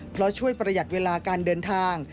เพราะช่วยประหยัดเวลาการเดินทาง